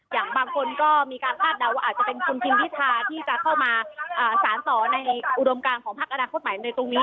อย่างบางคนก็มีการคาดเดาว่าอาจจะเป็นคุณทิมพิธาที่จะเข้ามาสารต่อในอุดมการของพักอนาคตใหม่ในตรงนี้